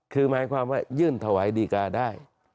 คือหมายความว่ายื่นถวายดีกาได้